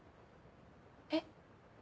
えっ？